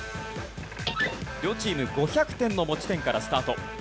両チーム５００点の持ち点からスタート。